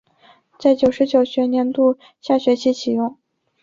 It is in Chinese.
在九十九学年度下学期启用。